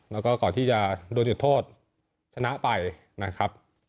แล้วก็ก่อนที่จะโดนจุดโทษชนะไปนะครับ